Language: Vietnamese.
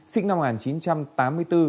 sinh năm một nghìn chín trăm tám mươi bốn